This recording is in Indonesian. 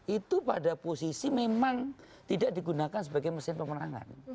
itu pada posisi memang tidak digunakan sebagai mesin pemenangan